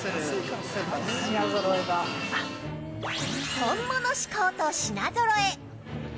本物志向と品ぞろえ。